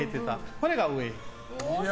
これが上。